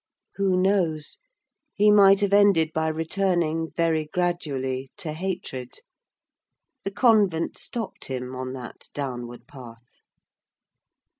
Who knows? He might have ended by returning very gradually to hatred. The convent stopped him on that downward path.